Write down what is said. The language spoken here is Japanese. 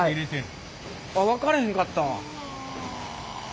分かれへんかったわ。